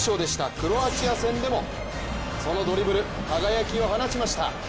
クロアチア戦でもそのドリブル、輝きを放ちました。